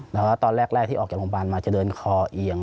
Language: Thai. แล้วก็ตอนแรกที่ออกจากโรงพยาบาลมาจะเดินคอเอียง